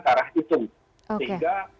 cara itu sehingga